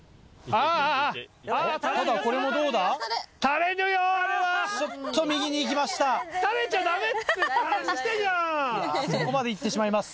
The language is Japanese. あそこまで行ってしまいます。